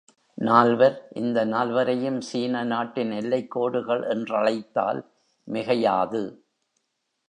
நால்வர் இந்த நால்வரையும் சீன நாட்டின் எல்லைக்கோடுகள் என்றழைத்தால் மிகையாது.